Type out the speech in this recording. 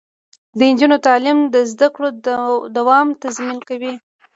د نجونو تعلیم د زدکړو دوام تضمین کوي.